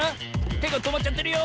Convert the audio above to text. てがとまっちゃってるよ。